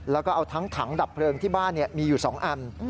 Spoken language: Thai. แล้วก็เอาทั้งถังดับเพลิงที่บ้านมีอยู่๒อัน